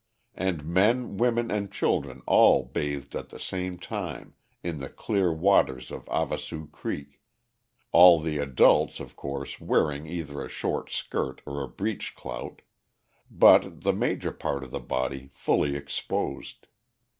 And men, women, and children all bathed at the same time, in the clear waters of Havasu Creek, all the adults, of course, wearing either a short skirt or a breech clout, but the major part of the body fully exposed.